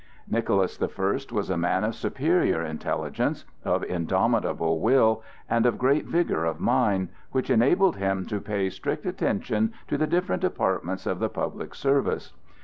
Nicholas the First was a man of superior intelligence, of indomitable will, and of great vigor of mind, which enabled him to pay strict attention to the different departments of the public service.